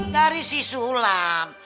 dari si sulam